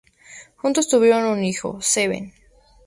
Juntos, tuvieron un hijo, Seven.